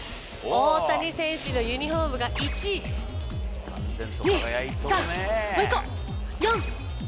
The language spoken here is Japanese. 大谷選手のユニホームが１、２、３、もう１個、４。